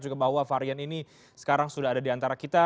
juga bahwa varian ini sekarang sudah ada diantara kita